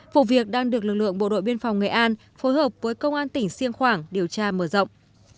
vụ việc đang được lực lượng bộ đội biên phòng nghệ an phối hợp với công an tỉnh siêng khoảng điều tra mở rộng